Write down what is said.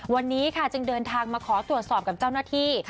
วันนี้ค่ะจึงเดินทางมาขอตรวจสอบกับเจ้าหน้าที่